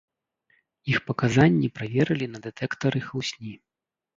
Іх паказанні праверылі на дэтэктары хлусні.